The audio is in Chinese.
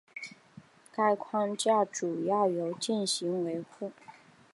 该框架主要由进行维护。